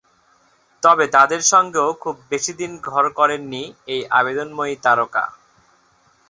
তবে তাদের সঙ্গেও খুব বেশিদিন ঘর করেননি এই আবেদনময়ী তারকা।